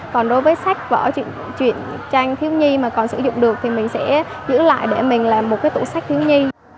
còn đối với sách vỏ chuyển tranh thiếu nhi mà còn sử dụng được thì mình sẽ giữ lại để mình làm một cái tủ sách thiếu nhi